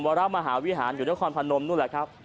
วรมหาวิหารอยู่นครพนมนู่นแหละครับ